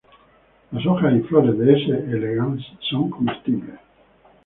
Las hojas y flores de "S. elegans" son comestibles.